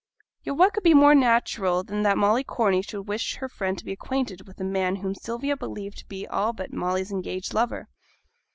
Yet what could be more natural than that Molly Corney should wish her friend to be acquainted with the man whom Sylvia believed to be all but Molly's engaged lover?